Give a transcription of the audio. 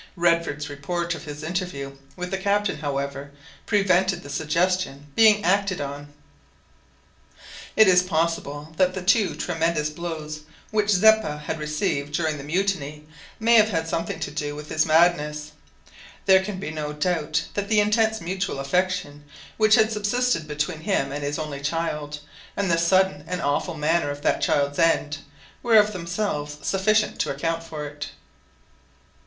Redford's report of his interview with the captain, however, prevented the suggestion being acted on. It is possible that the two tremendous blows which Zeppa had received during the mutiny may have had something to do with his madness; but there can be no doubt that the intense mutual affection which had subsisted between him and his only child, and the sudden and awful manner of that child's end, were of themselves sufficient to account for it.